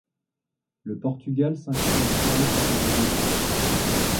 Le Portugal s'incline en finale face à l'Angleterre.